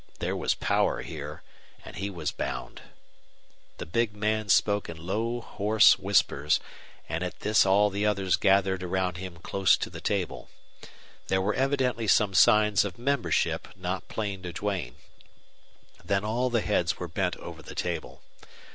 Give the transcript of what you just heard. There was power here, and he was bound. The big man spoke in low, hoarse whispers, and at this all the others gathered around him close to the table. There were evidently some signs of membership not plain to Duane. Then all the heads were bent over the table.